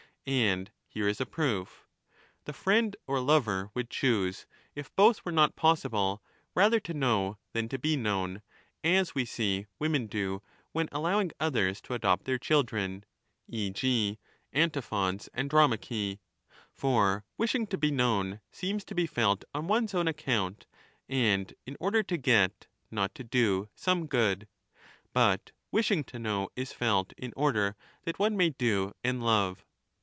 And here is a proof. The friend or lover would choose, if both were not possible, rather to know than to be known, as we see women do when allowing others to adopt their children,^ e. g. Antiphon's Andromache. For wishing to be known seems to be felt on one's own account and in order to get, 40 not to do, some good ; but wishing to know is felt in order 1239 that one may do and love.